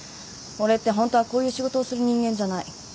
俺ってホントはこういう仕事をする人間じゃない。